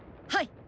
はい！